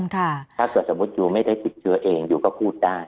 ถ้าเกิดสมมุติยูไม่ได้ติดเชื้อเองยูก็พูดได้